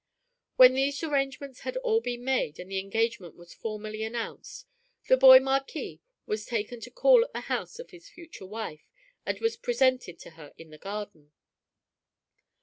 When these arrangements had all been made and the engagement was formally announced, the boy Marquis was taken to call at the house of his future wife, and was presented to her in the garden.